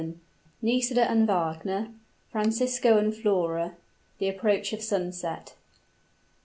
NISIDA AND WAGNER FRANCISCO AND FLORA THE APPROACH OF SUNSET.